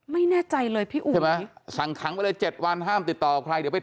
ไม่แน่ใจเลยพี่อุ๊ย